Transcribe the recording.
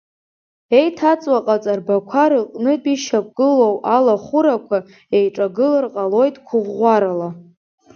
Иеиҭаҵуа аҟаҵарбақәа рыҟнытә ишьақәгылоу алахәырақәа еиҿагылар ҟалоит қәыӷәӷәарала.